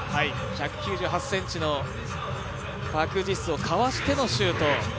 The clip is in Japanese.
１９８ｃｍのパク・ジスをかわしてのシュート。